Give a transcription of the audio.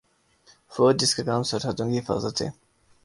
فوج جس کا کام سرحدوں کی حفاظت ہے